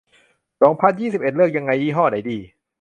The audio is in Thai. สองพันยี่สิบเอ็ด เลือกยังไง ยี่ห้อไหนดี